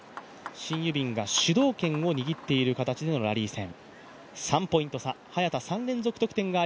シン・ユビンが主導権を握っている形でのラリー戦。